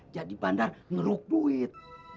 jadi bandar ngeruk buit